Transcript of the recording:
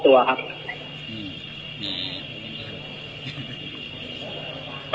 แต่ว่าหลังวันที่๒๐ปีผมจะมอบตัวครับ